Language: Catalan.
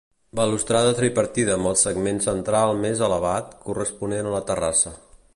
Balustrada tripartida amb el segment central més elevat, corresponent a la terrassa.